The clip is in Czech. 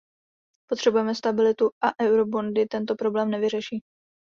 Potřebujeme stabilitu a eurobondy tento problém nevyřeší.